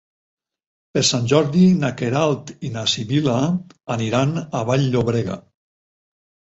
Per Sant Jordi na Queralt i na Sibil·la aniran a Vall-llobrega.